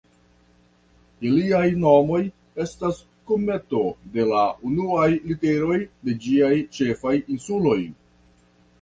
Iliaj nomoj estas kunmeto de la unuaj literoj de ĝiaj ĉefaj insuloj.